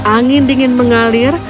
angin dingin mengalir